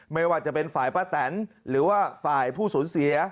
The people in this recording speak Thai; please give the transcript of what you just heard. ไม่ว่าจะเป็นฝ่ายป้าแตนหรือว่าฝ่ายผู้สูญเสีย